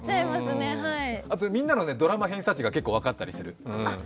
あとみんなのドラマ偏差値が結構、分かったりする。